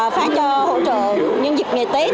phát cho hỗ trợ nhân dịch nghề tết